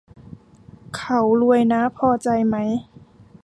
เขารวยนะ พอใจไหม